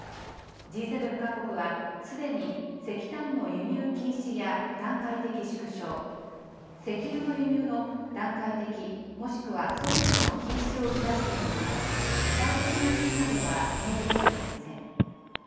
Ｇ７各国は、すでに石炭の輸入禁止や段階的縮小、石油の輸入の段階的、もしくは即時の禁止を打ち出していますが、具体的な時期などは明示できていません。